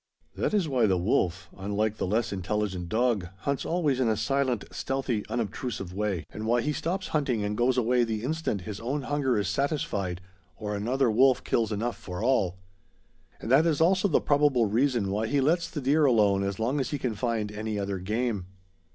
That is why the wolf, unlike the less intelligent dog, hunts always in a silent, stealthy, unobtrusive way; and why he stops hunting and goes away the instant his own hunger is satisfied or another wolf kills enough for all. And that is also the probable reason why he lets the deer alone as long as he can find any other game.